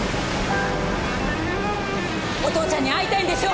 お父ちゃんに会いたいんでしょ？